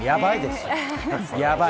やばいですよ。